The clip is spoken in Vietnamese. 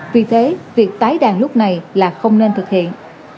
vì thế việc tái đàn lúc này là không nên thực hiện